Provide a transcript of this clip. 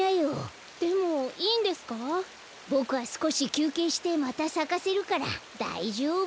ボクはすこしきゅうけいしてまたさかせるからだいじょうぶ。